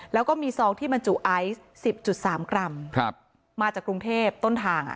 แล้วก็มีซองที่บรรจุไอซ์สิบจุดสามกรัมครับมาจากกรุงเทพฯต้นทางอ่ะ